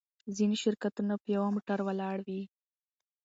ځینې شرکتونه په یوه موټر ولاړ وي.